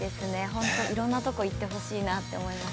本当に、いろんなとこに行ってほしいと思います。